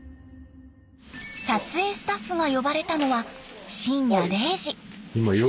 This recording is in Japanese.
撮影スタッフが呼ばれたのは深夜０時。